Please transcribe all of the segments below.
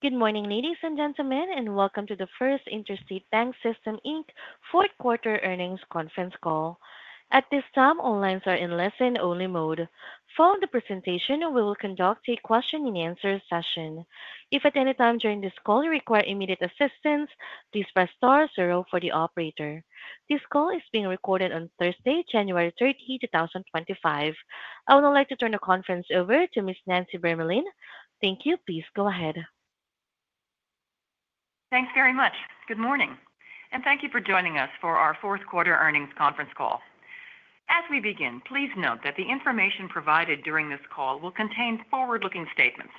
Good morning, ladies and gentlemen, and welcome to the First Interstate BancSystem Inc. fourth quarter earnings conference call. At this time, all lines are in listen-only mode. Following the presentation, we will conduct a question-and-answer session. If at any time during this call you require immediate assistance, please press star zero for the operator. This call is being recorded on Thursday, January 30, 2025. I would now like to turn the conference over to Ms. Nancy Vermeulen. Thank you. Please go ahead. Thanks very much. Good morning, and thank you for joining us for our fourth quarter earnings conference call. As we begin, please note that the information provided during this call will contain forward-looking statements.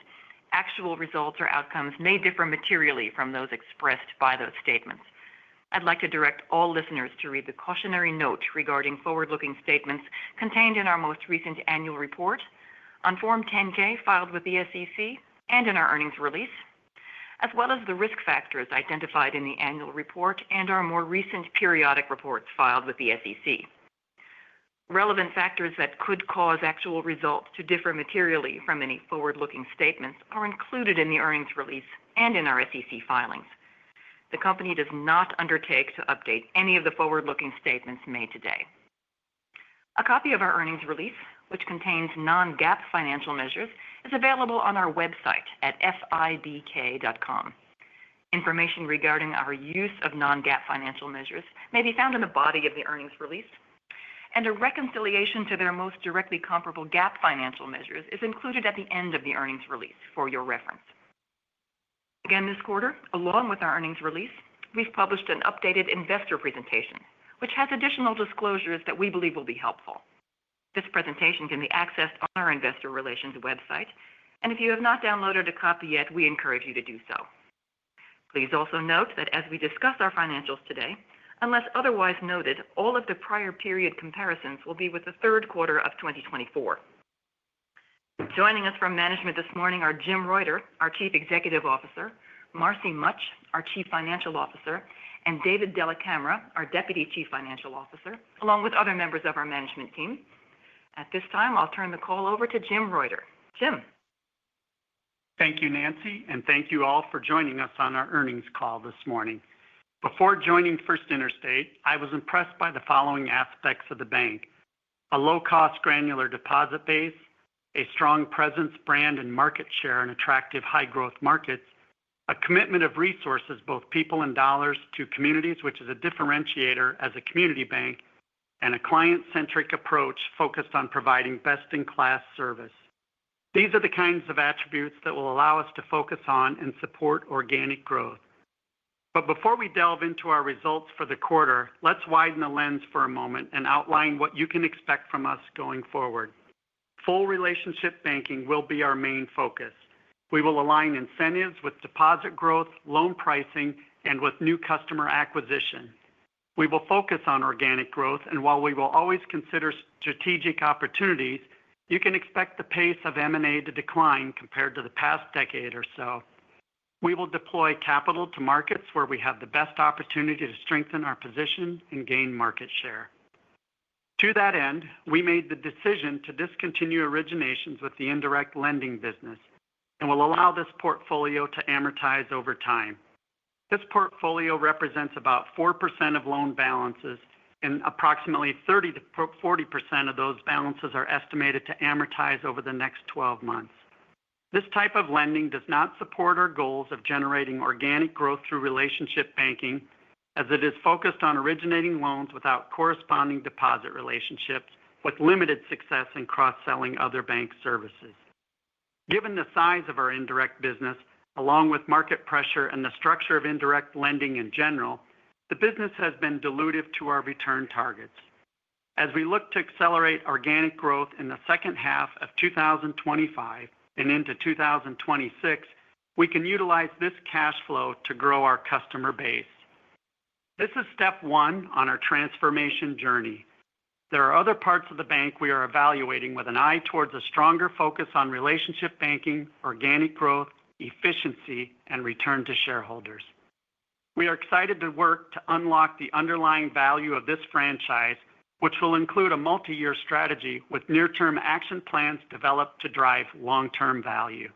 Actual results or outcomes may differ materially from those expressed by those statements. I'd like to direct all listeners to read the cautionary note regarding forward-looking statements contained in our most recent annual report, on Form 10-K filed with the SEC, and in our earnings release, as well as the risk factors identified in the annual report and our more recent periodic reports filed with the SEC. Relevant factors that could cause actual results to differ materially from any forward-looking statements are included in the earnings release and in our SEC filings. The company does not undertake to update any of the forward-looking statements made today. A copy of our earnings release, which contains non-GAAP financial measures, is available on our website at fibk.com. Information regarding our use of non-GAAP financial measures may be found in the body of the earnings release, and a reconciliation to their most directly comparable GAAP financial measures is included at the end of the earnings release for your reference. Again, this quarter, along with our earnings release, we've published an updated investor presentation, which has additional disclosures that we believe will be helpful. This presentation can be accessed on our investor relations website, and if you have not downloaded a copy yet, we encourage you to do so. Please also note that as we discuss our financials today, unless otherwise noted, all of the prior period comparisons will be with the third quarter of 2024. Joining us from management this morning are Jim Reuter, our Chief Executive Officer, Marcy Mutch, our Chief Financial Officer, and David Della Camera, our Deputy Chief Financial Officer, along with other members of our management team. At this time, I'll turn the call over to Jim Reuter. Jim. Thank you, Nancy, and thank you all for joining us on our earnings call this morning. Before joining First Interstate, I was impressed by the following aspects of the bank: a low-cost granular deposit base, a strong presence, brand, and market share in attractive high-growth markets, a commitment of resources, both people and dollars, to communities, which is a differentiator as a community bank, and a client-centric approach focused on providing best-in-class service. These are the kinds of attributes that will allow us to focus on and support organic growth. Before we delve into our results for the quarter, let's widen the lens for a moment and outline what you can expect from us going forward. Full relationship banking will be our main focus. We will align incentives with deposit growth, loan pricing, and with new customer acquisition. We will focus on organic growth, and while we will always consider strategic opportunities, you can expect the pace of M&A to decline compared to the past decade or so. We will deploy capital to markets where we have the best opportunity to strengthen our position and gain market share. To that end, we made the decision to discontinue originations with the indirect lending business and will allow this portfolio to amortize over time. This portfolio represents about 4% of loan balances, and approximately 30%-40% of those balances are estimated to amortize over the next 12 months. This type of lending does not support our goals of generating organic growth through relationship banking, as it is focused on originating loans without corresponding deposit relationships, with limited success in cross-selling other bank services. Given the size of our indirect business, along with market pressure and the structure of indirect lending in general, the business has been dilutive to our return targets. As we look to accelerate organic growth in the second half of 2025 and into 2026, we can utilize this cash flow to grow our customer base. This is step one on our transformation journey. There are other parts of the bank we are evaluating with an eye towards a stronger focus on relationship banking, organic growth, efficiency, and return to shareholders. We are excited to work to unlock the underlying value of this franchise, which will include a multi-year strategy with near-term action plans developed to drive long-term value.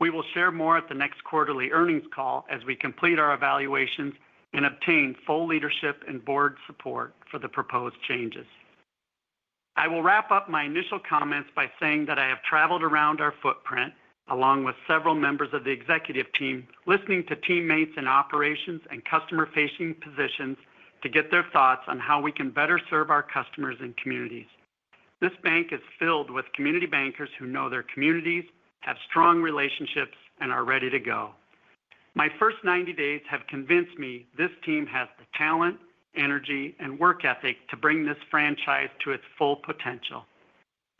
We will share more at the next quarterly earnings call as we complete our evaluations and obtain full leadership and board support for the proposed changes. I will wrap up my initial comments by saying that I have traveled around our footprint, along with several members of the executive team, listening to teammates in operations and customer-facing positions to get their thoughts on how we can better serve our customers and communities. This bank is filled with community bankers who know their communities, have strong relationships, and are ready to go. My first 90 days have convinced me this team has the talent, energy, and work ethic to bring this franchise to its full potential.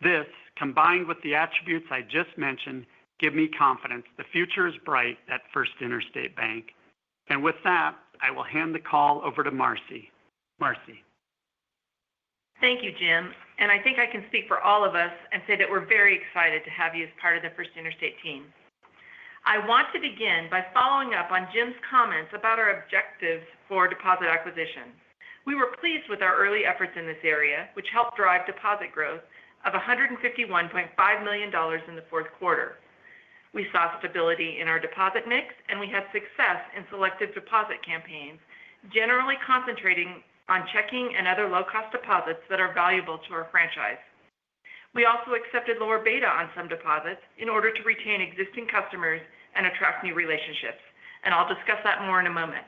This, combined with the attributes I just mentioned, gives me confidence the future is bright at First Interstate Bank. And with that, I will hand the call over to Marcy. Marcy. Thank you, Jim. I think I can speak for all of us and say that we're very excited to have you as part of the First Interstate team. I want to begin by following up on Jim's comments about our objectives for deposit acquisition. We were pleased with our early efforts in this area, which helped drive deposit growth of $151.5 million in the fourth quarter. We saw stability in our deposit mix, and we had success in selective deposit campaigns, generally concentrating on checking and other low-cost deposits that are valuable to our franchise. We also accepted lower beta on some deposits in order to retain existing customers and attract new relationships, and I'll discuss that more in a moment.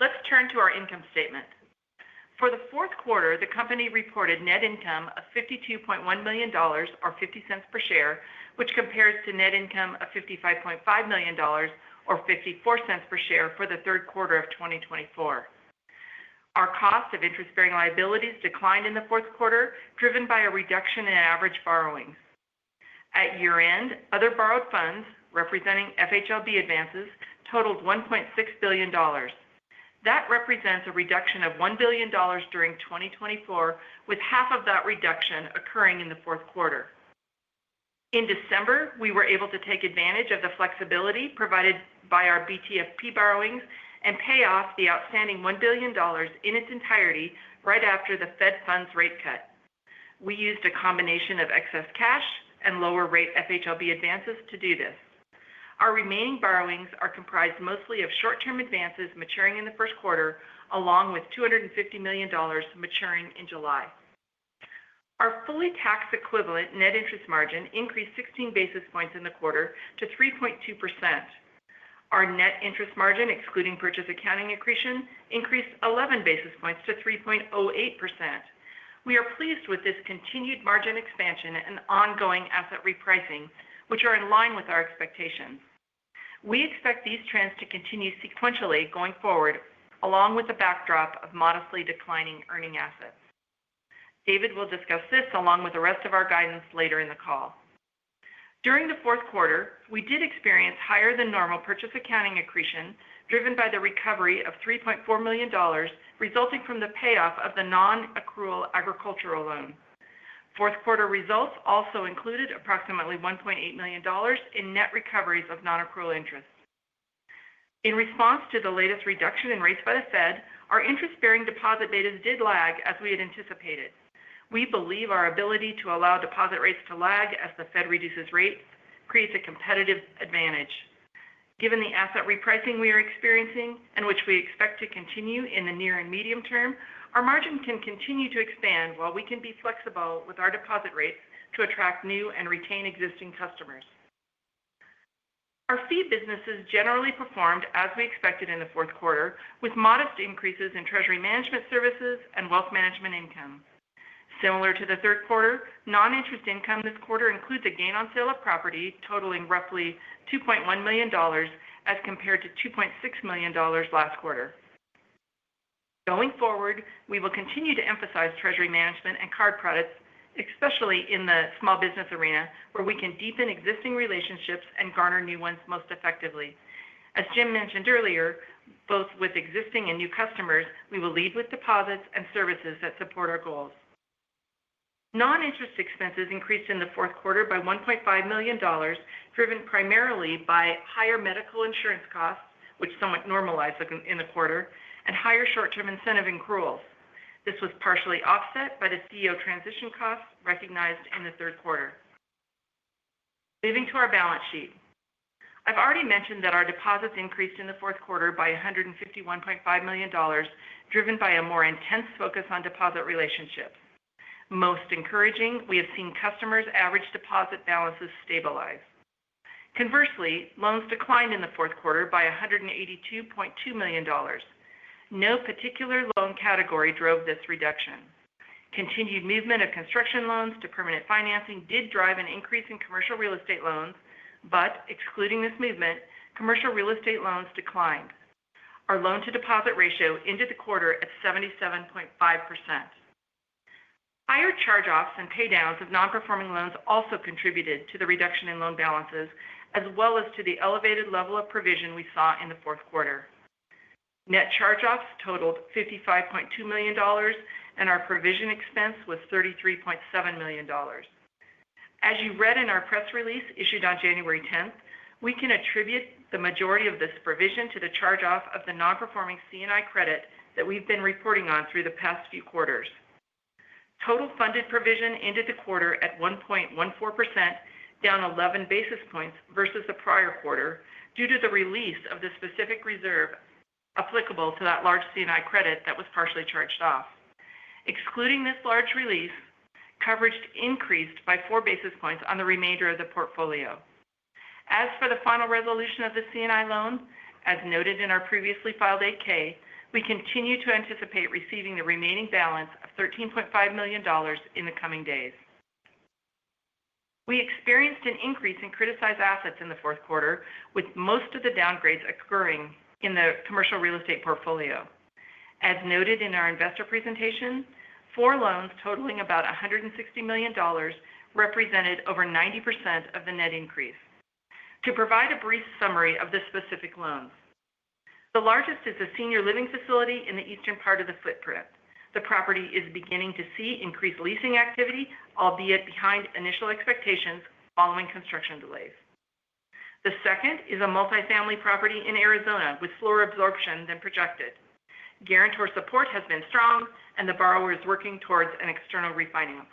Let's turn to our income statement. For the fourth quarter, the company reported net income of $52.1 million, or $0.50 per share, which compares to net income of $55.5 million, or $0.54 per share for the third quarter of 2024. Our cost of interest-bearing liabilities declined in the fourth quarter, driven by a reduction in average borrowing. At year-end, other borrowed funds, representing FHLB advances, totaled $1.6 billion. That represents a reduction of $1 billion during 2024, with $500 million of that reduction occurring in the fourth quarter. In December, we were able to take advantage of the flexibility provided by our BTFP borrowings and pay off the outstanding $1 billion in its entirety right after the Fed funds rate cut. We used a combination of excess cash and lower-rate FHLB advances to do this. Our remaining borrowings are comprised mostly of short-term advances maturing in the first quarter, along with $250 million maturing in July. Our fully tax-equivalent net interest margin increased 16 basis points in the quarter to 3.2%. Our net interest margin, excluding purchase accounting accretion, increased 11 basis points to 3.08%. We are pleased with this continued margin expansion and ongoing asset repricing, which are in line with our expectations. We expect these trends to continue sequentially going forward, along with the backdrop of modestly declining earning assets. David will discuss this along with the rest of our guidance later in the call. During the fourth quarter, we did experience higher-than-normal purchase accounting accretion, driven by the recovery of $3.4 million resulting from the payoff of the non-accrual agricultural loan. Fourth quarter results also included approximately $1.8 million in net recoveries of non-accrual interest. In response to the latest reduction in rates by the Fed, our interest-bearing deposit betas did lag as we had anticipated. We believe our ability to allow deposit rates to lag as the Fed reduces rates creates a competitive advantage. Given the asset repricing we are experiencing, and which we expect to continue in the near and medium-term, our margin can continue to expand while we can be flexible with our deposit rates to attract new and retain existing customers. Our fee business has generally performed as we expected in the fourth quarter, with modest increases in treasury management services and wealth management income. Similar to the third quarter, non-interest income this quarter includes a gain on sale of property totaling roughly $2.1 million as compared to $2.6 million last quarter. Going forward, we will continue to emphasize treasury management and card products, especially in the small business arena, where we can deepen existing relationships and garner new ones most effectively. As Jim mentioned earlier, both with existing and new customers, we will lead with deposits and services that support our goals. Non-interest expenses increased in the fourth quarter by $1.5 million, driven primarily by higher medical insurance costs, which somewhat normalized in the quarter, and higher short-term incentive accruals. This was partially offset by the CEO transition costs recognized in the third quarter. Moving to our balance sheet, I've already mentioned that our deposits increased in the fourth quarter by $151.5 million, driven by a more intense focus on deposit relationships. Most encouraging, we have seen customers' average deposit balances stabilize. Conversely, loans declined in the fourth quarter by $182.2 million. No particular loan category drove this reduction. Continued movement of construction loans to permanent financing did drive an increase in commercial real estate loans, but excluding this movement, commercial real estate loans declined. Our loan-to-deposit ratio ended the quarter at 77.5%. Higher charge-offs and paydowns of non-performing loans also contributed to the reduction in loan balances, as well as to the elevated level of provision we saw in the fourth quarter. Net charge-offs totaled $55.2 million, and our provision expense was $33.7 million. As you read in our press release issued on January 10, we can attribute the majority of this provision to the charge-off of the non-performing C&I credit that we've been reporting on through the past few quarters. Total funded provision ended the quarter at 1.14%, down 11 basis points versus the prior quarter, due to the release of the specific reserve applicable to that large C&I credit that was partially charged off. Excluding this large release, coverage increased by four basis points on the remainder of the portfolio. As for the final resolution of the C&I loan, as noted in our previously filed 10-K, we continue to anticipate receiving the remaining balance of $13.5 million in the coming days. We experienced an increase in criticized assets in the fourth quarter, with most of the downgrades occurring in the commercial real estate portfolio. As noted in our investor presentation, four loans totaling about $160 million represented over 90% of the net increase. To provide a brief summary of the specific loans, the largest is a senior living facility in the eastern part of the footprint. The property is beginning to see increased leasing activity, albeit behind initial expectations following construction delays. The second is a multi-family property in Arizona with slower absorption than projected. Guarantor support has been strong, and the borrower is working towards an external refinance.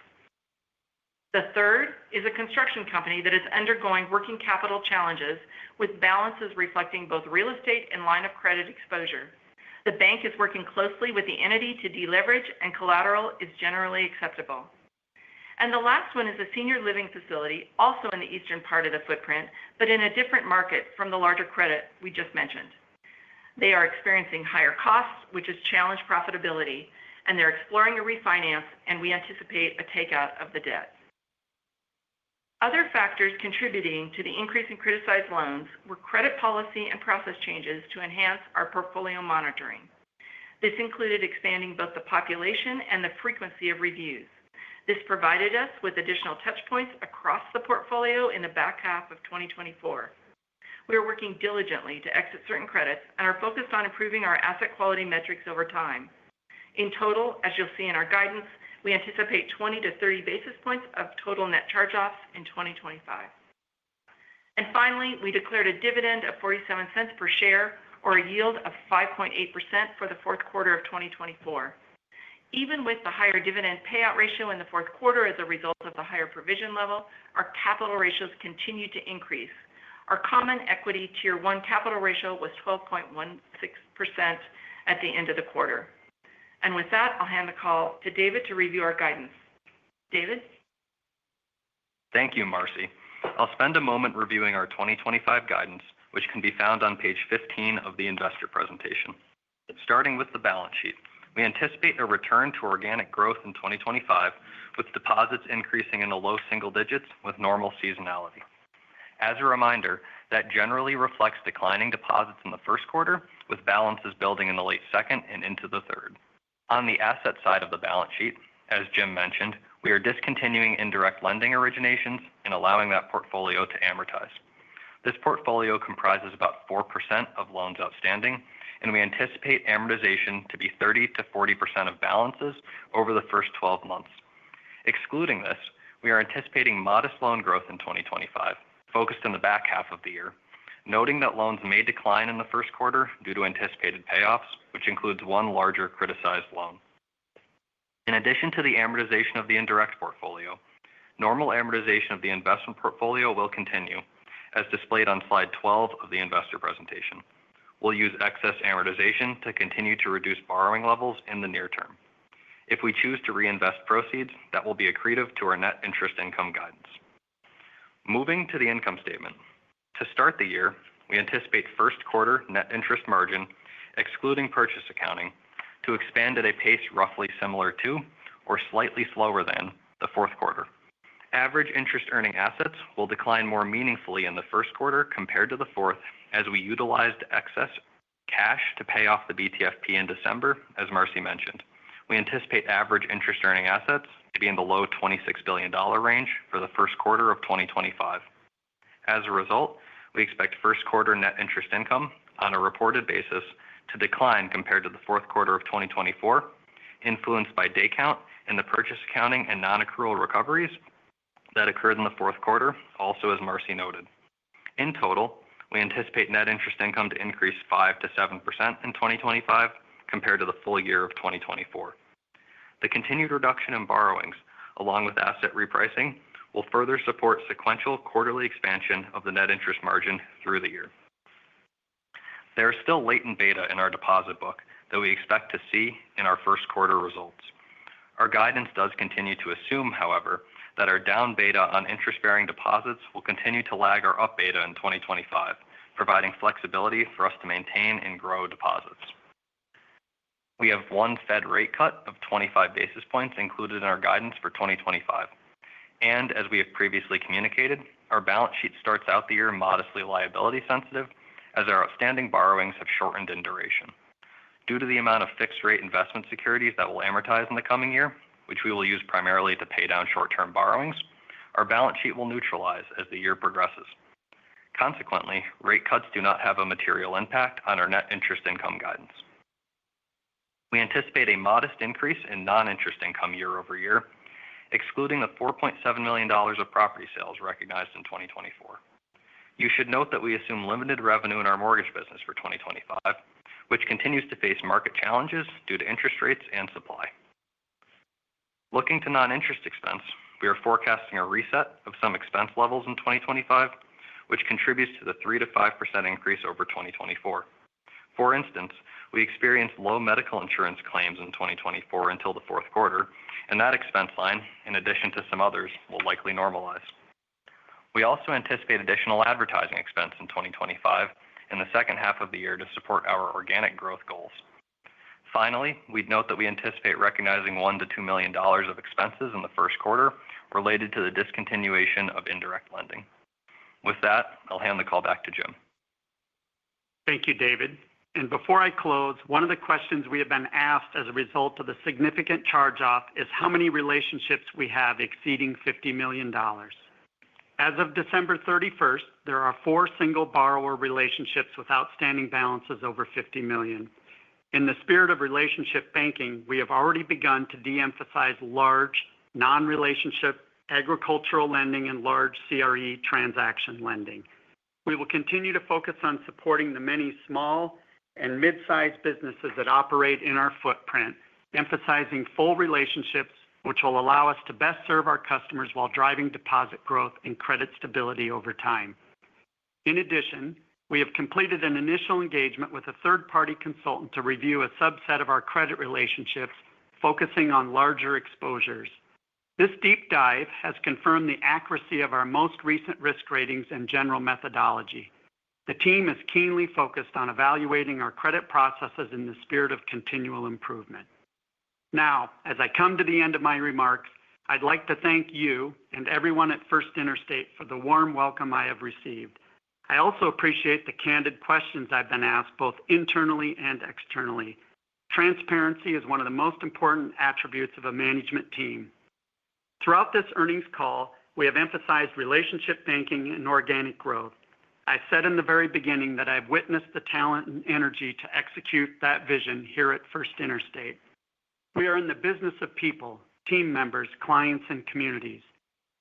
The third is a construction company that is undergoing working capital challenges, with balances reflecting both real estate and line-of-credit exposure. The bank is working closely with the entity to deleverage, and collateral is generally acceptable, and the last one is a senior living facility, also in the eastern part of the footprint, but in a different market from the larger credit we just mentioned. They are experiencing higher costs, which has challenged profitability, and they're exploring a refinance, and we anticipate a takeout of the debt. Other factors contributing to the increase in criticized loans were credit policy and process changes to enhance our portfolio monitoring. This included expanding both the population and the frequency of reviews. This provided us with additional touchpoints across the portfolio in the back half of 2024. We are working diligently to exit certain credits and are focused on improving our asset quality metrics over time. In total, as you'll see in our guidance, we anticipate 20-30 basis points of total net charge-offs in 2025. And finally, we declared a dividend of $0.47 per share, or a yield of 5.8% for the fourth quarter of 2024. Even with the higher dividend payout ratio in the fourth quarter as a result of the higher provision level, our capital ratios continued to increase. Our Common Equity Tier 1 capital ratio was 12.16% at the end of the quarter. And with that, I'll hand the call to David to review our guidance. David? Thank you, Marcy. I'll spend a moment reviewing our 2025 guidance, which can be found on page 15 of the investor presentation. Starting with the balance sheet, we anticipate a return to organic growth in 2025, with deposits increasing in the low single digits with normal seasonality. As a reminder, that generally reflects declining deposits in the first quarter, with balances building in the late second and into the third. On the asset side of the balance sheet, as Jim mentioned, we are discontinuing indirect lending originations and allowing that portfolio to amortize. This portfolio comprises about 4% of loans outstanding, and we anticipate amortization to be 30%-40% of balances over the first 12 months. Excluding this, we are anticipating modest loan growth in 2025, focused in the back half of the year, noting that loans may decline in the first quarter due to anticipated payoffs, which includes one larger criticized loan. In addition to the amortization of the indirect portfolio, normal amortization of the investment portfolio will continue, as displayed on slide 12 of the investor presentation. We'll use excess amortization to continue to reduce borrowing levels in the near-term. If we choose to reinvest proceeds, that will be accretive to our net interest income guidance. Moving to the income statement. To start the year, we anticipate first quarter net interest margin, excluding purchase accounting, to expand at a pace roughly similar to or slightly slower than the fourth quarter. Average interest-earning assets will decline more meaningfully in the first quarter compared to the fourth, as we utilized excess cash to pay off the BTFP in December, as Marcy mentioned. We anticipate average interest-earning assets to be in the low $26 billion range for the first quarter of 2025. As a result, we expect first quarter net interest income on a reported basis to decline compared to the fourth quarter of 2024, influenced by day count and the purchase accounting and non-accrual recoveries that occurred in the fourth quarter, also as Marcy noted. In total, we anticipate net interest income to increase 5%-7% in 2025 compared to the full year of 2024. The continued reduction in borrowings, along with asset repricing, will further support sequential quarterly expansion of the net interest margin through the year. There is still latent beta in our deposit book that we expect to see in our first quarter results. Our guidance does continue to assume, however, that our down beta on interest-bearing deposits will continue to lag our up beta in 2025, providing flexibility for us to maintain and grow deposits. We have one Fed rate cut of 25 basis points included in our guidance for 2025, and as we have previously communicated, our balance sheet starts out the year modestly liability-sensitive, as our outstanding borrowings have shortened in duration. Due to the amount of fixed-rate investment securities that will amortize in the coming year, which we will use primarily to pay down short-term borrowings, our balance sheet will neutralize as the year progresses. Consequently, rate cuts do not have a material impact on our net interest income guidance. We anticipate a modest increase in non-interest income year-over-year, excluding the $4.7 million of property sales recognized in 2024. You should note that we assume limited revenue in our mortgage business for 2025, which continues to face market challenges due to interest rates and supply. Looking to non-interest expense, we are forecasting a reset of some expense levels in 2025, which contributes to the 3%-5% increase over 2024. For instance, we experienced low medical insurance claims in 2024 until the fourth quarter, and that expense line, in addition to some others, will likely normalize. We also anticipate additional advertising expense in 2025 in the second half of the year to support our organic growth goals. Finally, we'd note that we anticipate recognizing $1-$2 million of expenses in the first quarter related to the discontinuation of indirect lending. With that, I'll hand the call back to Jim. Thank you, David. And before I close, one of the questions we have been asked as a result of the significant charge-off is how many relationships we have exceeding $50 million. As of December 31st, there are four single borrower relationships with outstanding balances over $50 million. In the spirit of relationship banking, we have already begun to de-emphasize large non-relationship agricultural lending and large CRE transaction lending. We will continue to focus on supporting the many small and mid-sized businesses that operate in our footprint, emphasizing full relationships, which will allow us to best serve our customers while driving deposit growth and credit stability over time. In addition, we have completed an initial engagement with a third-party consultant to review a subset of our credit relationships, focusing on larger exposures. This deep dive has confirmed the accuracy of our most recent risk ratings and general methodology. The team is keenly focused on evaluating our credit processes in the spirit of continual improvement. Now, as I come to the end of my remarks, I'd like to thank you and everyone at First Interstate for the warm welcome I have received. I also appreciate the candid questions I've been asked both internally and externally. Transparency is one of the most important attributes of a management team. Throughout this earnings call, we have emphasized relationship banking and organic growth. I said in the very beginning that I've witnessed the talent and energy to execute that vision here at First Interstate. We are in the business of people, team members, clients, and communities.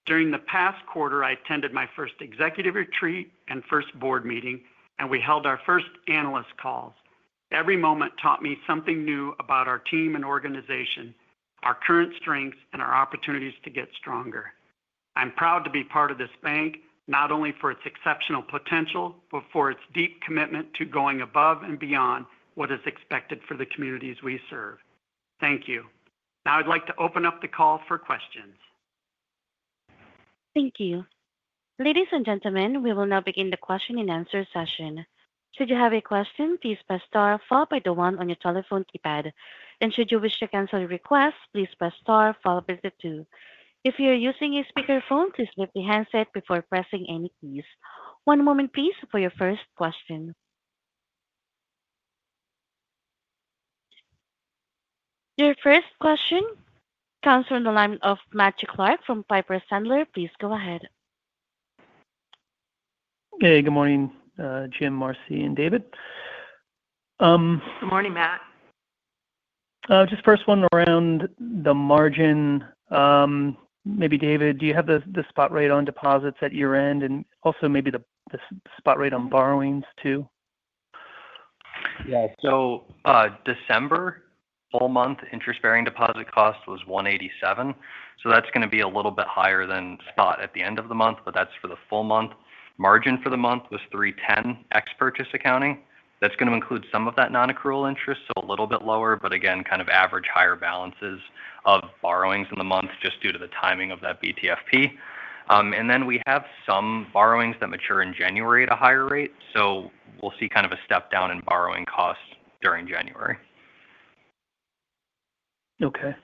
During the past quarter, I attended my first executive retreat and first board meeting, and we held our first analyst calls. Every moment taught me something new about our team and organization, our current strengths, and our opportunities to get stronger. I'm proud to be part of this bank, not only for its exceptional potential, but for its deep commitment to going above and beyond what is expected for the communities we serve. Thank you. Now I'd like to open up the call for questions. Thank you. Ladies and gentlemen, we will now begin the question-and-answer session. Should you have a question, please press star followed by the one on your telephone keypad. And should you wish to cancel your request, please press star followed by the two. If you are using a speakerphone, please lift the handset before pressing any keys. One moment, please, for your first question. Your first question comes from the line of Matthew Clark from Piper Sandler. Please go ahead. Hey, good morning, Jim, Marcy, and David. Good morning, Matt. Just first one around the margin. Maybe David, do you have the spot rate on deposits at year-end and also maybe the spot rate on borrowings too? Yeah. So December full-month interest-bearing deposit cost was $187. So that's going to be a little bit higher than spot at the end of the month, but that's for the full month. Margin for the month was $310 ex-purchase accounting. That's going to include some of that non-accrual interest, so a little bit lower, but again, kind of average higher balances of borrowings in the month just due to the timing of that BTFP. And then we have some borrowings that mature in January at a higher rate, so we'll see kind of a step down in borrowing costs during January. Okay.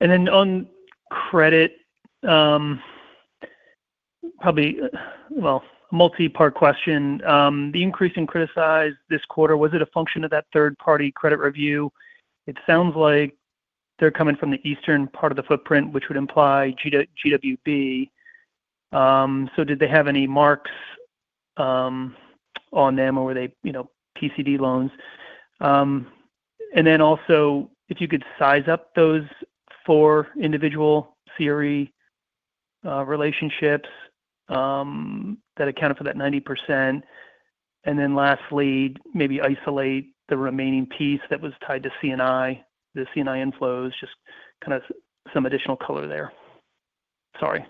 And then on credit, probably, well, a multi-part question. The increase in criticized this quarter, was it a function of that third-party credit review? It sounds like they're coming from the eastern part of the footprint, which would imply GWB. So did they have any marks on them, or were they PCD loans? And then also, if you could size up those four individual CRE relationships that accounted for that 90%. And then lastly, maybe isolate the remaining piece that was tied to C&I, the C&I inflows, just kind of some additional color there. Sorry.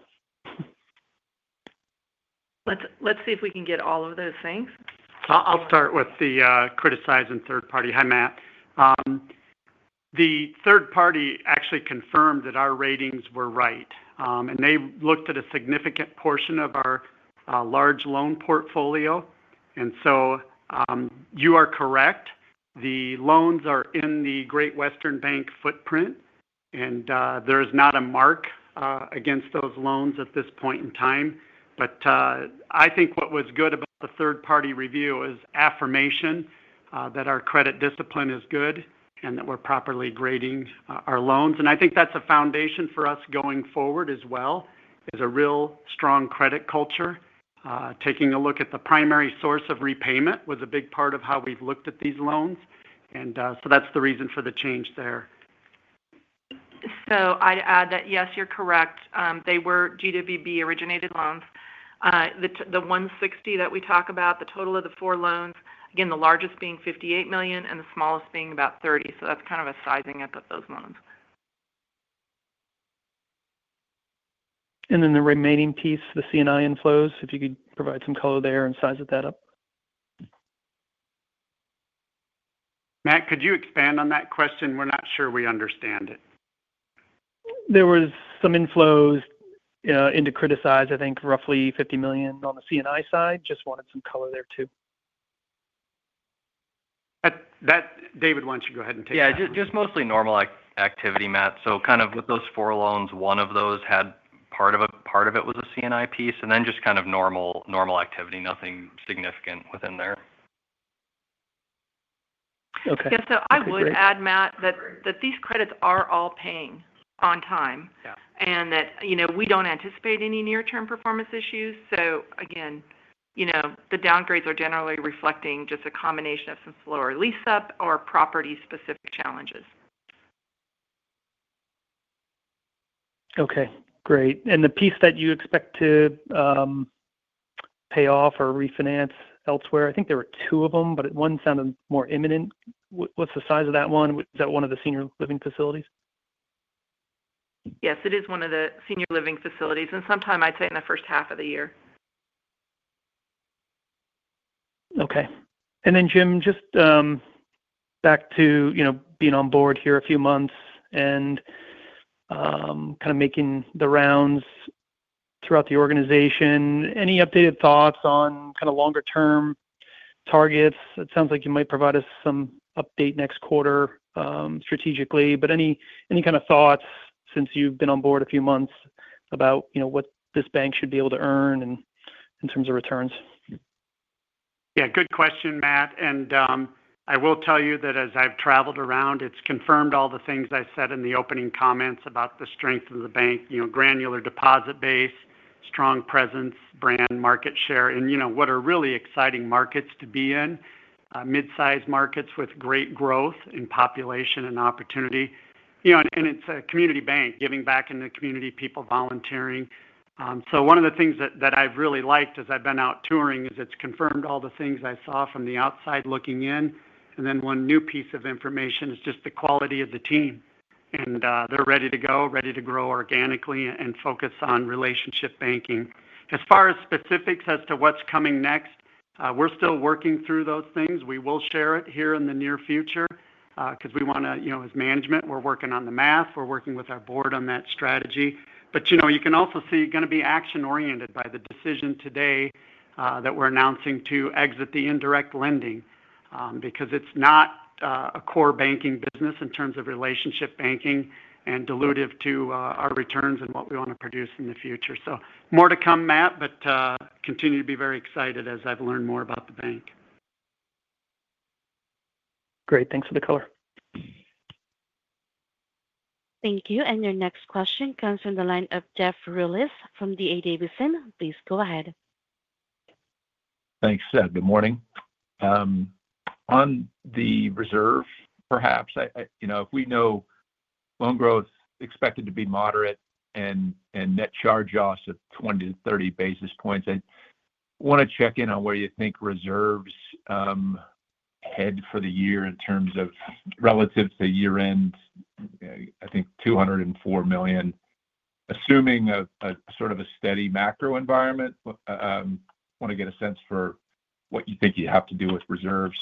Let's see if we can get all of those things. I'll start with the criticizing third-party. Hi, Matt. The third-party actually confirmed that our ratings were right, and they looked at a significant portion of our large loan portfolio, so you are correct. The loans are in the Great Western Bank footprint, and there is not a mark against those loans at this point in time. But I think what was good about the third-party review is affirmation that our credit discipline is good and that we're properly grading our loans, and I think that's a foundation for us going forward as well, is a real strong credit culture. Taking a look at the primary source of repayment was a big part of how we've looked at these loans, so that's the reason for the change there. So I'd add that, yes, you're correct. They were GWB-originated loans. The 160 that we talk about, the total of the four loans, again, the largest being $58 million and the smallest being about $30. So that's kind of a sizing up of those loans. And then the remaining piece, the C&I inflows, if you could provide some color there and size that up. Matt, could you expand on that question? We're not sure we understand it. There were some inflows into criticized, I think, roughly $50 million on the C&I side. Just wanted some color there too. David, why don't you go ahead and take that? Yeah. Just mostly normal activity, Matt. So kind of with those four loans, one of those had part of it was a C&I piece, and then just kind of normal activity, nothing significant within there. Okay. Yeah. So I would add, Matt, that these credits are all paying on time and that we don't anticipate any near-term performance issues. So again, the downgrades are generally reflecting just a combination of some slower lease-up or property-specific challenges. Okay. Great. And the piece that you expect to pay off or refinance elsewhere, I think there were two of them, but one sounded more imminent. What's the size of that one? Is that one of the senior living facilities? Yes, it is one of the senior living facilities, and sometime I'd say in the first half of the year. Okay. And then, Jim, just back to being on board here a few months and kind of making the rounds throughout the organization. Any updated thoughts on kind of longer-term targets? It sounds like you might provide us some update next quarter strategically, but any kind of thoughts since you've been on board a few months about what this bank should be able to earn in terms of returns? Yeah. Good question, Matt. And I will tell you that as I've traveled around, it's confirmed all the things I said in the opening comments about the strength of the bank: granular deposit base, strong presence, brand, market share, and what are really exciting markets to be in, mid-sized markets with great growth in population and opportunity. And it's a community bank, giving back into the community, people volunteering. So one of the things that I've really liked as I've been out touring is it's confirmed all the things I saw from the outside looking in. And then one new piece of information is just the quality of the team. And they're ready to go, ready to grow organically and focus on relationship banking. As far as specifics as to what's coming next, we're still working through those things. We will share it here in the near future because we want to, as management, we're working on the math. We're working with our board on that strategy. But you can also see it's going to be action-oriented by the decision today that we're announcing to exit the indirect lending because it's not a core banking business in terms of relationship banking and dilutive to our returns and what we want to produce in the future. So more to come, Matt, but continue to be very excited as I've learned more about the bank. Great. Thanks for the color. Thank you. And your next question comes from the line of Jeff Rulis from D.A. Davidson. Please go ahead. Thanks, good morning. On the reserve, perhaps, if we know loan growth is expected to be moderate and net charge-offs of 20-30 basis points, I want to check in on where you think reserves head for the year in terms of relative to year-end, I think $204 million, assuming a sort of a steady macro environment. I want to get a sense for what you think you have to do with reserves.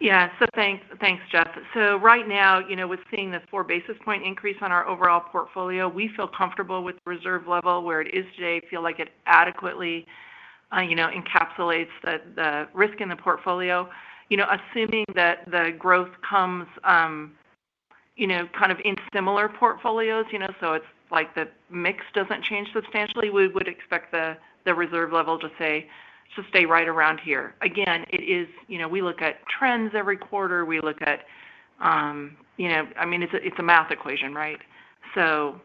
Yeah. So thanks, Jeff. So right now, we're seeing the four basis point increase on our overall portfolio. We feel comfortable with the reserve level where it is today. We feel like it adequately encapsulates the risk in the portfolio. Assuming that the growth comes kind of in similar portfolios, so it's like the mix doesn't change substantially, we would expect the reserve level to stay right around here. Again, we look at trends every quarter. We look at, I mean, it's a math equation, right? So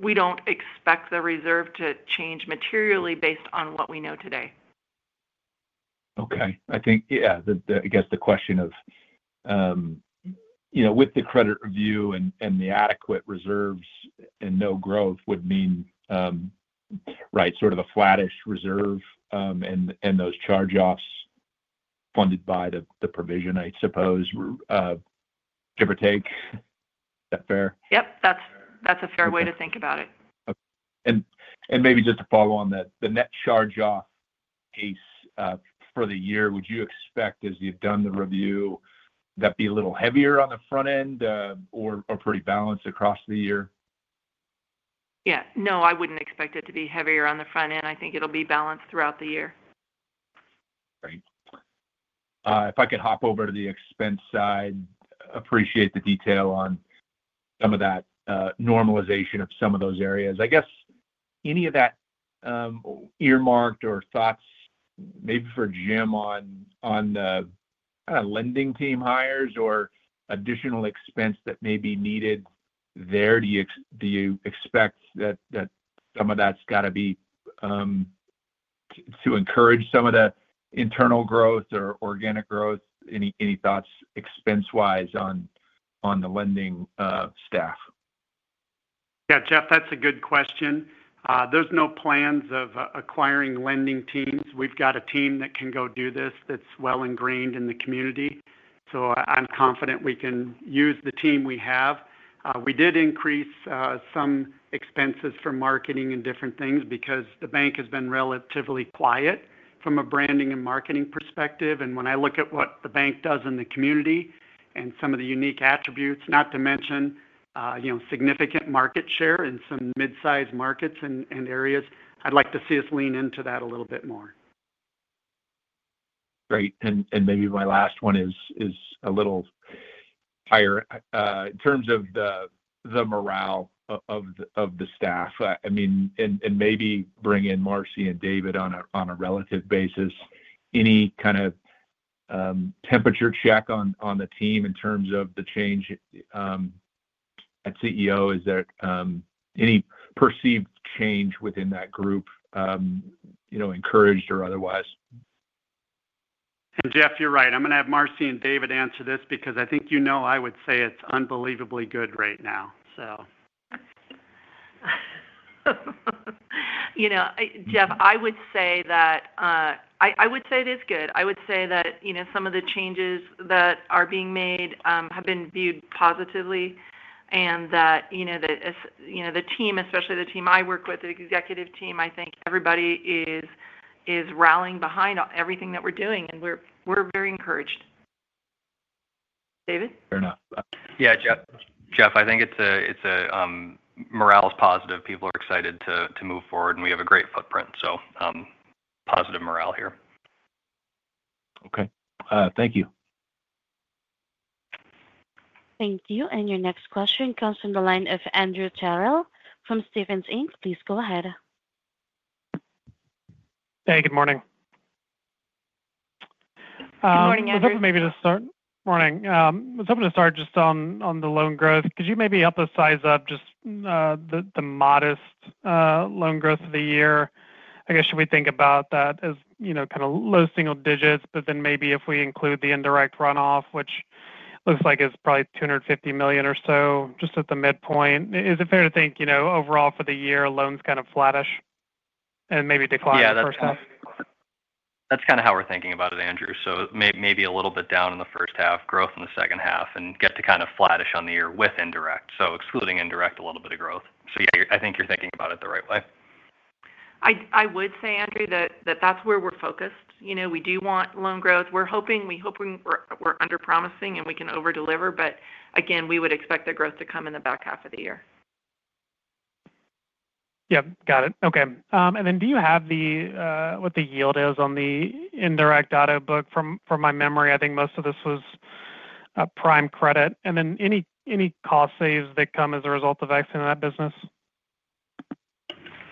we don't expect the reserve to change materially based on what we know today. Okay. I think, yeah, I guess the question of with the credit review and the adequate reserves and no growth would mean, right, sort of a flattish reserve and those charge-offs funded by the provision, I suppose, give or take. Is that fair? Yep. That's a fair way to think about it. Maybe just to follow on that, the net charge-off piece for the year, would you expect, as you've done the review, that be a little heavier on the front end or pretty balanced across the year? Yeah. No, I wouldn't expect it to be heavier on the front end. I think it'll be balanced throughout the year. Great. If I could hop over to the expense side, appreciate the detail on some of that normalization of some of those areas. I guess any of that earmarked or thoughts maybe for Jim on the kind of lending team hires or additional expense that may be needed there, do you expect that some of that's got to be to encourage some of the internal growth or organic growth? Any thoughts expense-wise on the lending staff? Yeah, Jeff, that's a good question. There's no plans of acquiring lending teams. We've got a team that can go do this that's well ingrained in the community. So I'm confident we can use the team we have. We did increase some expenses for marketing and different things because the bank has been relatively quiet from a branding and marketing perspective, and when I look at what the bank does in the community and some of the unique attributes, not to mention significant market share in some mid-sized markets and areas, I'd like to see us lean into that a little bit more. Great. And maybe my last one is a little higher in terms of the morale of the staff. I mean, and maybe bring in Marcy and David on a relative basis. Any kind of temperature check on the team in terms of the change at CEO? Is there any perceived change within that group, encouraged or otherwise? And Jeff, you're right. I'm going to have Marcy and David answer this because I think you know I would say it's unbelievably good right now, so. Jeff, I would say it is good. I would say that some of the changes that are being made have been viewed positively and that the team, especially the team I work with, the executive team, I think everybody is rallying behind everything that we're doing, and we're very encouraged. David? Fair enough. Yeah, Jeff. Jeff, I think the morale is positive. People are excited to move forward, and we have a great footprint. So positive morale here. Okay. Thank you. Thank you. And your next question comes from the line of Andrew Terrell from Stephens Inc. Please go ahead. Hey, good morning. Good morning, Andrew. I was hoping to start just on the loan growth. Could you maybe help us size up just the modest loan growth of the year? I guess, should we think about that as kind of low single digits, but then maybe if we include the indirect runoff, which looks like it's probably $250 million or so, just at the midpoint, is it fair to think overall for the year, loans kind of flattish and maybe decline in the first half? Yeah. That's kind of how we're thinking about it, Andrew. So maybe a little bit down in the first half, growth in the second half, and get to kind of flattish on the year with indirect. So excluding indirect, a little bit of growth. So yeah, I think you're thinking about it the right way. I would say, Andrew, that that's where we're focused. We do want loan growth. We're hoping we're under-promising and we can over-deliver, but again, we would expect the growth to come in the back half of the year. Yeah. Got it. Okay. And then do you have what the yield is on the indirect auto book? From my memory, I think most of this was prime credit. And then any cost saves that come as a result of exiting that business?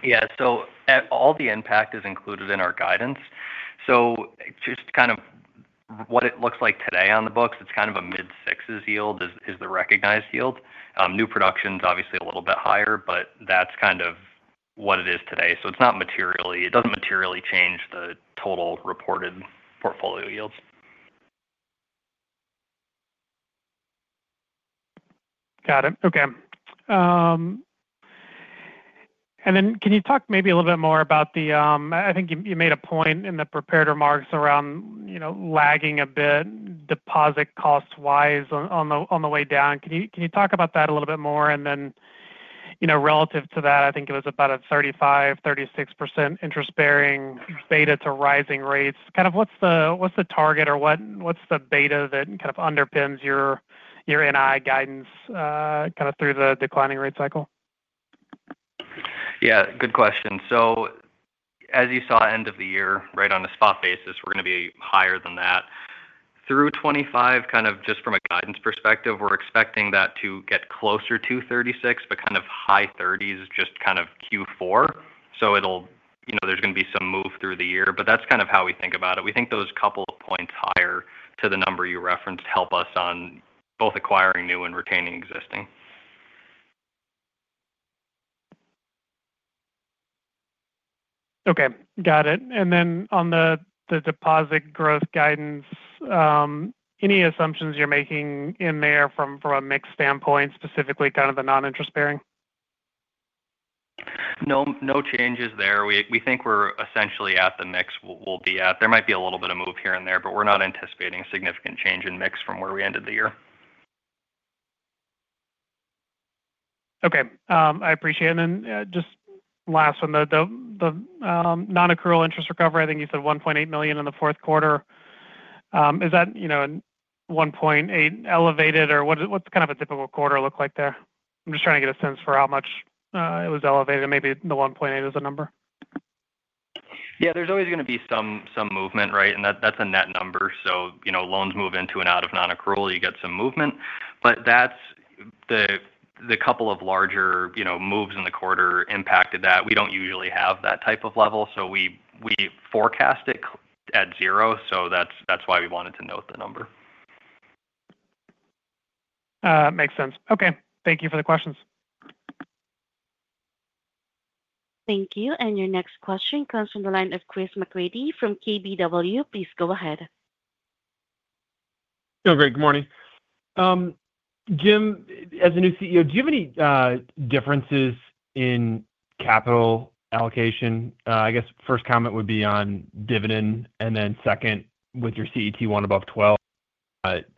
Yeah. So all the impact is included in our guidance. So just kind of what it looks like today on the books, it's kind of a mid-sixes yield is the recognized yield. New production is obviously a little bit higher, but that's kind of what it is today. So it's not materially. It doesn't materially change the total reported portfolio yields. Got it. Okay. And then can you talk maybe a little bit more about the. I think you made a point in the prepared remarks around lagging a bit deposit cost-wise on the way down. Can you talk about that a little bit more? And then relative to that, I think it was about a 35%, 36% interest-bearing beta to rising rates. Kind of what's the target or what's the beta that kind of underpins your NI guidance kind of through the declining rate cycle? Yeah. Good question. So as you saw end of the year, right on a spot basis, we're going to be higher than that. Through 2025, kind of just from a guidance perspective, we're expecting that to get closer to 36%, but kind of high 30s-percent just kind of Q4. So there's going to be some move through the year. But that's kind of how we think about it. We think those couple of points higher to the number you referenced help us on both acquiring new and retaining existing. Okay. Got it. And then on the deposit growth guidance, any assumptions you're making in there from a mix standpoint, specifically kind of the non-interest-bearing? No changes there. We think we're essentially at the mix we'll be at. There might be a little bit of move here and there, but we're not anticipating a significant change in mix from where we ended the year. Okay. I appreciate it. And then just last one, the non-accrual interest recovery, I think you said $1.8 million in the fourth quarter. Is that $1.8 million elevated, or what's kind of a typical quarter look like there? I'm just trying to get a sense for how much it was elevated, maybe the $1.8 million as a number. Yeah. There's always going to be some movement, right? And that's a net number. So loans move into and out of non-accrual, you get some movement. But the couple of larger moves in the quarter impacted that. We don't usually have that type of level. So we forecast it at zero. So that's why we wanted to note the number. Makes sense. Okay. Thank you for the questions. Thank you. And your next question comes from the line of Chris McGratty from KBW. Please go ahead. Hey, everybody. Good morning. Jim, as a new CEO, do you have any differences in capital allocation? I guess first comment would be on dividend, and then second, with your CET1 above 12,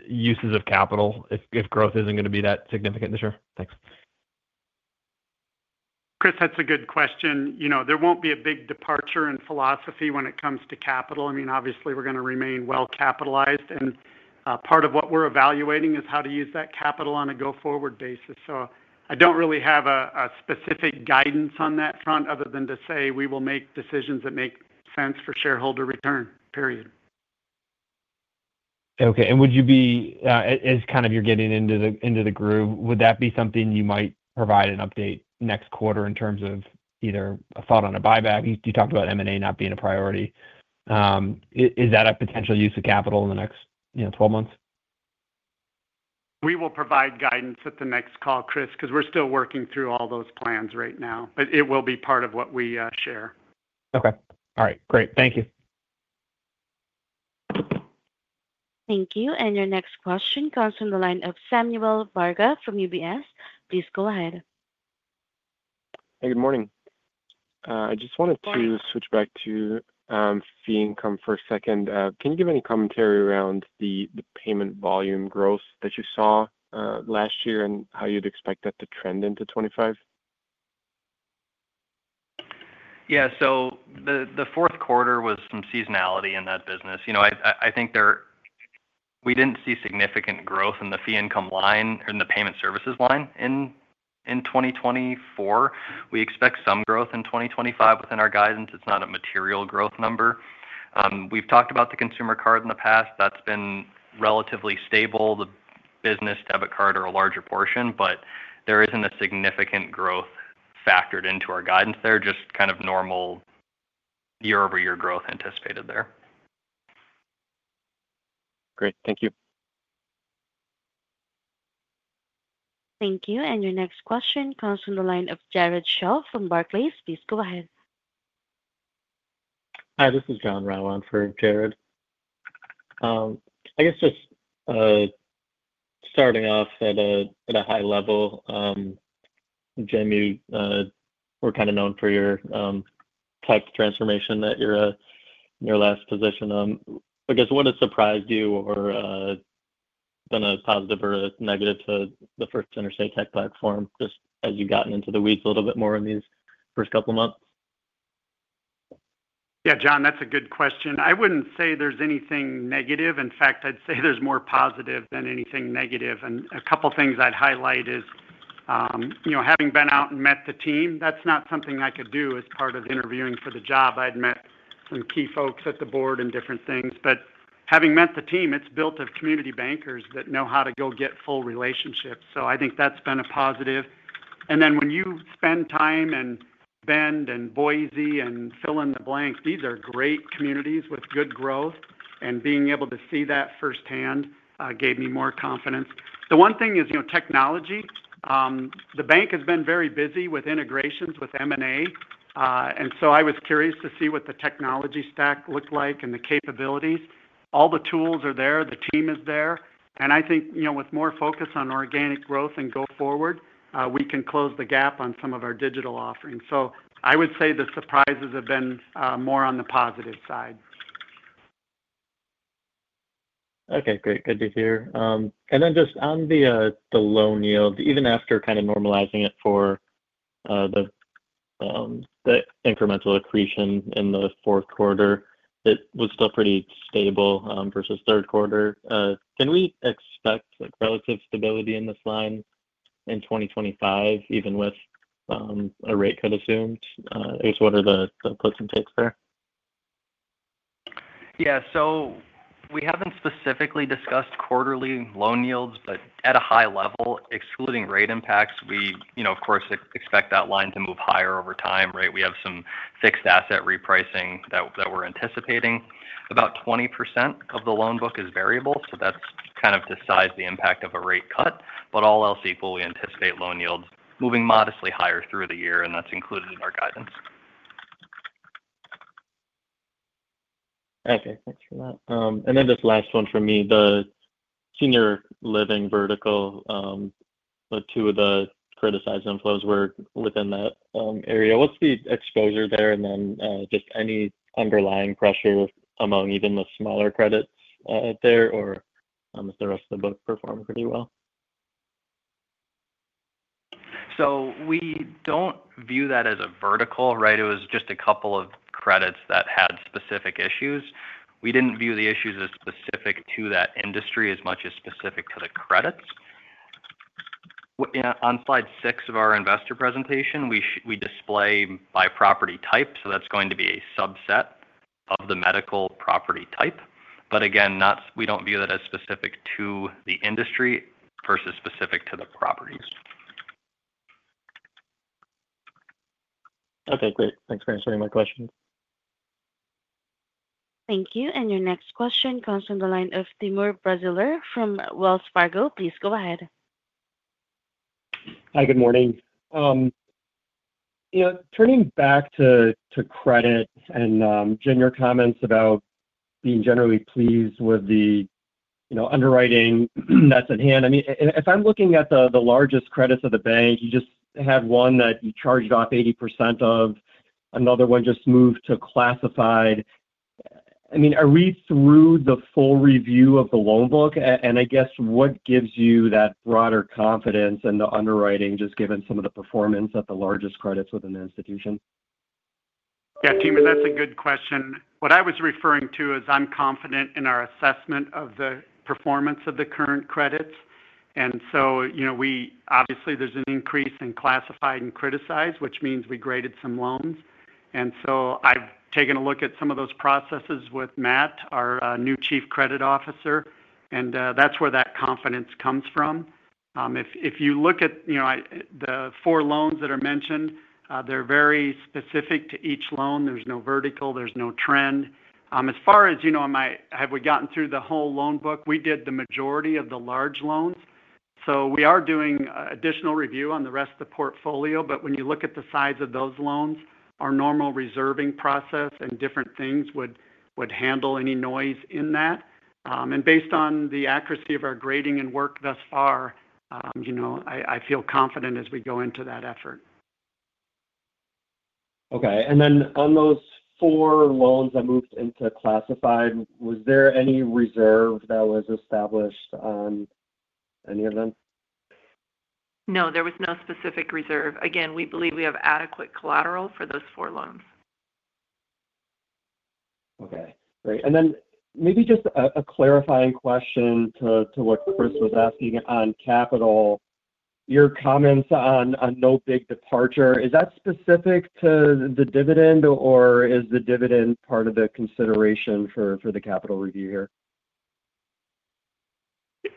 uses of capital if growth isn't going to be that significant this year? Thanks. Chris, that's a good question. There won't be a big departure in philosophy when it comes to capital. I mean, obviously, we're going to remain well-capitalized, and part of what we're evaluating is how to use that capital on a go-forward basis, so I don't really have a specific guidance on that front other than to say we will make decisions that make sense for shareholder return, period. Okay. And would you be as kind of you're getting into the groove, would that be something you might provide an update next quarter in terms of either a thought on a buyback? You talked about M&A not being a priority. Is that a potential use of capital in the next 12 months? We will provide guidance at the next call, Chris, because we're still working through all those plans right now. But it will be part of what we share. Okay. All right. Great. Thank you. Thank you, and your next question comes from the line of Samuel Varga from UBS. Please go ahead. Hey, good morning. I just wanted to switch back to fee and comment for a second. Can you give any commentary around the payment volume growth that you saw last year and how you'd expect that to trend into 2025? Yeah. So the fourth quarter had some seasonality in that business. I think we didn't see significant growth in the fee income line or in the payment services line in 2024. We expect some growth in 2025 within our guidance. It's not a material growth number. We've talked about the consumer card in the past. That's been relatively stable. The business debit card is a larger portion, but there isn't a significant growth factored into our guidance there, just kind of normal year-over-year growth anticipated there. Great. Thank you. Thank you. And your next question comes from the line of Jared Shaw from Barclays. Please go ahead. Hi. This is John Riley for Jared. I guess just starting off at a high level, Jim, you were kind of known for your type of transformation at your last position. I guess what has surprised you or been a positive or a negative to the First Interstate tech platform just as you've gotten into the weeds a little bit more in these first couple of months? Yeah, John, that's a good question. I wouldn't say there's anything negative. In fact, I'd say there's more positive than anything negative. A couple of things I'd highlight is having been out and met the team. That's not something I could do as part of interviewing for the job. I'd met some key folks at the board and different things. But having met the team, it's built of community bankers that know how to go get full relationships. So I think that's been a positive. And then when you spend time in Bend and Boise and fill in the blank, these are great communities with good growth. And being able to see that firsthand gave me more confidence. The one thing is technology. The bank has been very busy with integrations with M&A. And so I was curious to see what the technology stack looked like and the capabilities. All the tools are there. The team is there, and I think with more focus on organic growth and go-forward, we can close the gap on some of our digital offerings, so I would say the surprises have been more on the positive side. Okay. Great. Good to hear. And then just on the loan yield, even after kind of normalizing it for the incremental accretion in the fourth quarter, it was still pretty stable versus third quarter. Can we expect relative stability in this line in 2025, even with a rate cut assumed? I guess what are the puts and takes there? Yeah. So we haven't specifically discussed quarterly loan yields, but at a high level, excluding rate impacts, we, of course, expect that line to move higher over time, right? We have some fixed asset repricing that we're anticipating. About 20% of the loan book is variable. So that's kind of dictates the impact of a rate cut. But all else equal, we anticipate loan yields moving modestly higher through the year, and that's included in our guidance. Okay. Thanks for that. And then this last one for me, the senior living vertical, the two of the criticized inflows were within that area. What's the exposure there? And then just any underlying pressure among even the smaller credits there, or has the rest of the book performed pretty well? So we don't view that as a vertical, right? It was just a couple of credits that had specific issues. We didn't view the issues as specific to that industry as much as specific to the credits. On slide six of our investor presentation, we display by property type. So that's going to be a subset of the medical property type. But again, we don't view that as specific to the industry versus specific to the properties. Okay. Great. Thanks for answering my question. Thank you. And your next question comes from the line of Timur Braziler from Wells Fargo. Please go ahead. Hi. Good morning. Turning back to credit and general comments about being generally pleased with the underwriting that's at hand. I mean, if I'm looking at the largest credits of the bank, you just have one that you charged off 80% of, another one just moved to classified. I mean, are we through the full review of the loan book, and I guess what gives you that broader confidence in the underwriting, just given some of the performance at the largest credits within the institution? Yeah. Timur, that's a good question. What I was referring to is I'm confident in our assessment of the performance of the current credits. And so obviously, there's an increase in classified and criticized, which means we graded some loans. And so I've taken a look at some of those processes with Matt, our new Chief Credit Officer. And that's where that confidence comes from. If you look at the four loans that are mentioned, they're very specific to each loan. There's no vertical. There's no trend. As far as have we gotten through the whole loan book? We did the majority of the large loans. So we are doing additional review on the rest of the portfolio. But when you look at the size of those loans, our normal reserving process and different things would handle any noise in that. Based on the accuracy of our grading and work thus far, I feel confident as we go into that effort. Okay, and then on those four loans that moved into classified, was there any reserve that was established on any of them? No, there was no specific reserve. Again, we believe we have adequate collateral for those four loans. Okay. Great. And then maybe just a clarifying question to what Chris was asking on capital, your comments on no big departure, is that specific to the dividend, or is the dividend part of the consideration for the capital review here?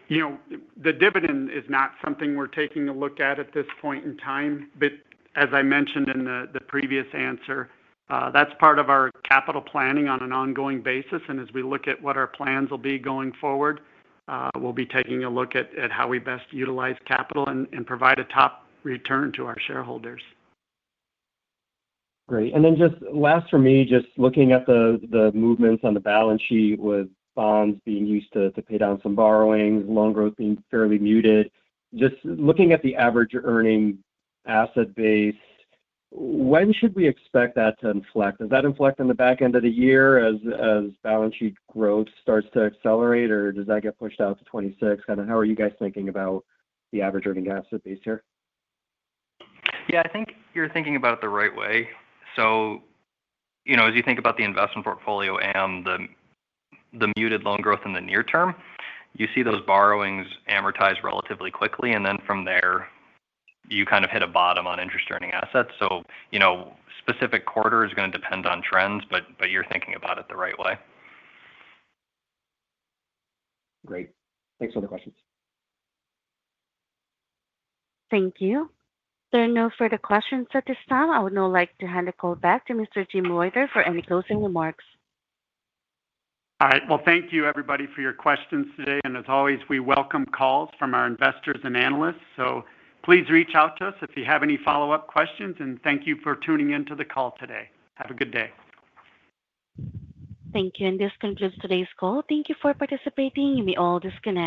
The dividend is not something we're taking a look at at this point in time. But as I mentioned in the previous answer, that's part of our capital planning on an ongoing basis. And as we look at what our plans will be going forward, we'll be taking a look at how we best utilize capital and provide a top return to our shareholders. Great. And then just last for me, just looking at the movements on the balance sheet with bonds being used to pay down some borrowings, loan growth being fairly muted, just looking at the average earning asset base, when should we expect that to inflect? Does that inflect on the back end of the year as balance sheet growth starts to accelerate, or does that get pushed out to 2026? Kind of how are you guys thinking about the average earning asset base here? Yeah. I think you're thinking about it the right way. So as you think about the investment portfolio and the muted loan growth in the near-term, you see those borrowings amortize relatively quickly. And then from there, you kind of hit a bottom on interest-earning assets. So specific quarter is going to depend on trends, but you're thinking about it the right way. Great. Thanks for the questions. Thank you. There are no further questions at this time. I would now like to hand the call back to Mr. Jim Reuter for any closing remarks. All right. Well, thank you, everybody, for your questions today. And as always, we welcome calls from our investors and analysts. So please reach out to us if you have any follow-up questions. And thank you for tuning into the call today. Have a good day. Thank you. And this concludes today's call. Thank you for participating. You may all disconnect.